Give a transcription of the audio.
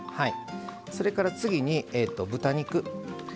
それから次に豚肉。